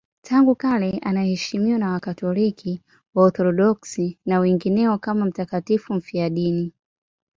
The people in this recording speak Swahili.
Tangu kale anaheshimiwa na Wakatoliki, Waorthodoksi na wengineo kama mtakatifu mfiadini.